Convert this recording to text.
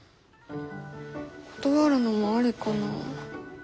断るのもありかな。